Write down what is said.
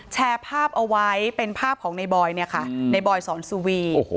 แชร์ภาพเอาไว้เป็นภาพของในบอยสอนสุวี